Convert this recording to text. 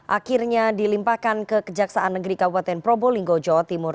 akhirnya dilimpahkan ke kejaksaan negeri kabupaten probolinggo jawa timur